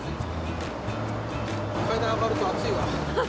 階段上がると暑いわ。